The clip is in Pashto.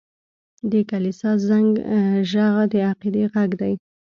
د کلیسا زنګ ږغ د عقیدې غږ دی.